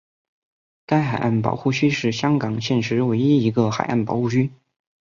该海岸保护区是香港现时唯一一个海岸保护区。